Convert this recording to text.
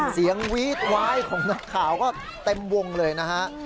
เสียงเวียดวอยของนักข่อก็เต็มวงเลยนะฮะ